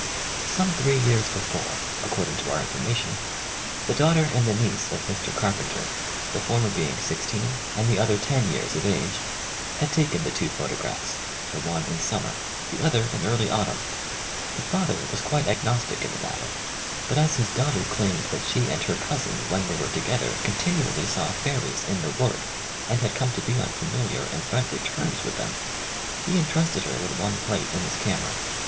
Some three years before, according to our information, the daughter and the niece of Mr. Carpenter, the former being sixteen and the other ten years of age, had taken the two photographs — the one in summer, the other in early autumn. The father was quite 42 THE FIRST PUBLISHED ACCOUNT agnostic in the matter, but as his daughter claimed that she and her cousin when they were together continually saw fairies in the wood and had come to be on familiar and friendly terms with them, he entrusted her with one plate in his camera.